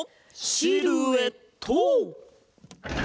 シルエット！